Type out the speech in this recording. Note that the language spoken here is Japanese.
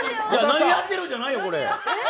何やってるじゃないよ。